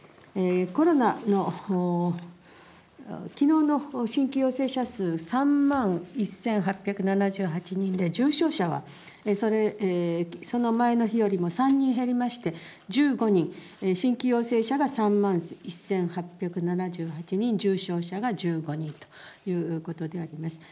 コロナのきのうの新規陽性者数３万１８７８人で、重症者はその前の日よりも３人減りまして１５人、新規陽性者が３万１８７８人、重症者が１５人ということであります。